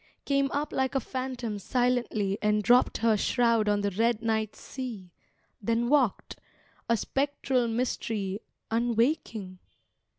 Came up like a phantom silently And dropped her shroud on the red night sea, Then walked, a spectral mystery, Unwaking?